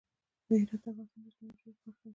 هرات د افغانستان د اجتماعي جوړښت برخه ده.